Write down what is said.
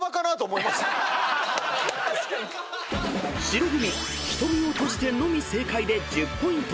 ［白組『瞳をとじて』のみ正解で１０ポイント］